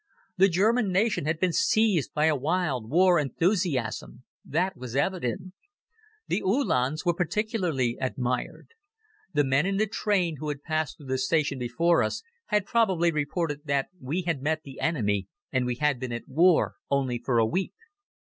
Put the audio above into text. The German nation had been seized by a wild war enthusiasm. That was evident. The Uhlans were particularly admired. The men in the train who had passed through the station before us had probably reported that we had met the enemy, and we had been at war only for a week.